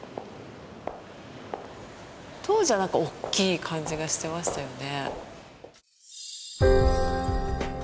当時はなんかおっきい感じがしてましたよね